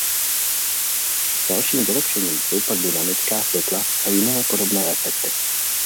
Dalším vylepšením jsou pak dynamická světla a jiné podobné efekty.